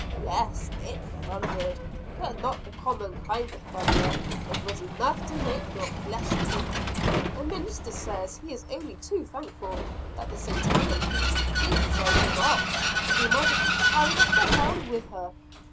"Yes it thundered but not the common kind of thunder it was enough to make your flesh creep. The minister says he is only too thankful that the Satanic beast did throw him off. He might have been carried off to hell with her."